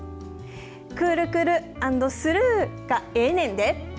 くるくるアンドするーがええねんで。